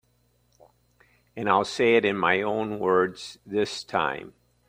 And I'll say it in my own words this time.